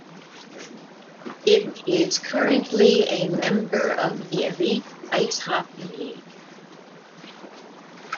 It is currently a member of the Elite Ice Hockey League.